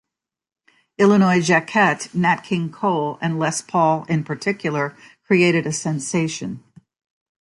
Illinois Jacquet, Nat King Cole and Les Paul, in particular, created a sensation.